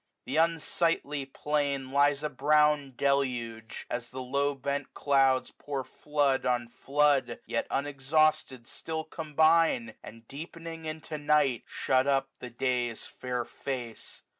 The unsightly plain 7S Lies a brown deluge ; as the low bent clouds Pour flood on flood, yet unexhausted still Combine, and deepening into night, shut up The day's fair face.